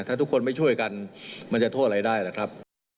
ถ้าทุกคนไม่ช่วยกันมันจะโทษอะไรได้นะครับ